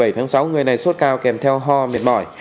ngày một mươi tám tháng sáu người này suốt cao kèm theo ho mệt mỏi